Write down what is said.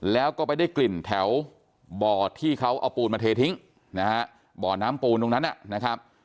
แล้วก็ไปได้กลิ่นแถวบ่อที่เขาเอาปูนมาเททิ้งนะฮะบ่อน้ำปูนตรงนั้นนะครับ